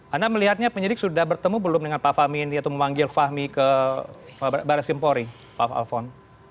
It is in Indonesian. anda melihatnya penyidik sudah bertemu belum dengan pak fahmi ini atau memanggil fahmi ke baris simpori pak alfon